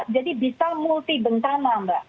jadi bisa multi bentana mbak